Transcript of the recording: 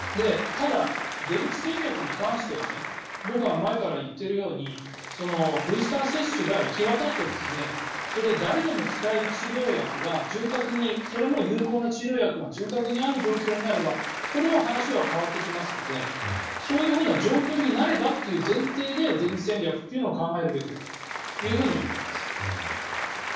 ただ、出口戦略に関しては僕は前から言っているようにブースター接種が行き渡って誰でも使える治療薬が潤沢にそれも有効な治療薬が潤沢にある状況になればこれは話は変わってきますのでそういうふうな状況になればという前提で出口戦略というのを考えるべきだと思います。